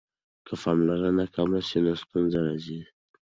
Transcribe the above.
که پاملرنه کمه سي نو ستونزه راځي.